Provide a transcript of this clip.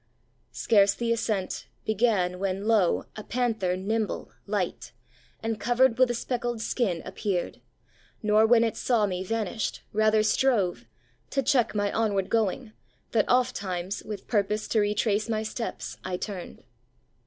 Scarce the ascent Began, when, lo! a panther, nimble, light, And covered with a speckled skin, appeared, Nor when it saw me, vanished, rather strove To check my onward going; that ofttimes With purpose to retrace my steps I turned.